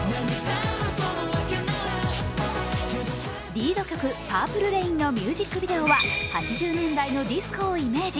リード曲「ＰｕｒｐｌｅＲａｉｎ」のミュージックビデオは８０年代のディスコをイメージ。